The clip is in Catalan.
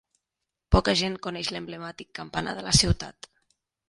Poca gent coneix l'emblemàtic campanar de la ciutat.